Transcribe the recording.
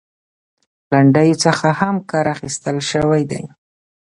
لنډيو څخه هم کار اخيستل شوى دى .